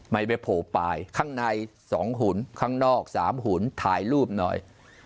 ไม่ไปโผล่ปลายข้างใน๒หุ่นข้างนอก๓หุ่นถ่ายรูปหน่อย